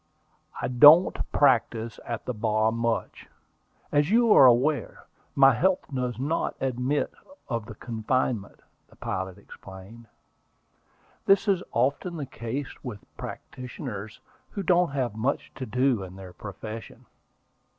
"I don't practise at the bar much, as you are aware: my health does not admit of the confinement," the pilot explained. "That is often the case with practitioners who don't have much to do in their profession."